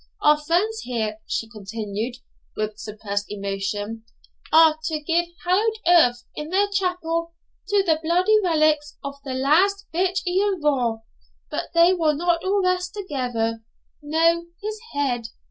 Our friends here,' she continued, with suppressed emotion, 'are to give hallowed earth in their chapel to the bloody relics of the last Vich Ian Vohr. But they will not all rest together; no his head!